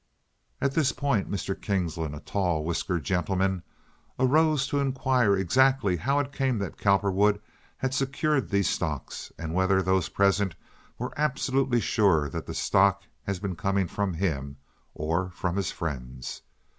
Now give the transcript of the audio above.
At this point Mr. Kingsland, a tall, whiskered gentleman, arose to inquire exactly how it came that Cowperwood had secured these stocks, and whether those present were absolutely sure that the stock has been coming from him or from his friends.